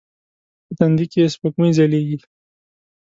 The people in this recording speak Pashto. په تندې کې یې سپوږمۍ ځلیږې